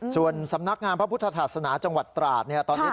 ส่วนสำนักงานพระพุทธศาสนาจังหวัดตราดตอนนี้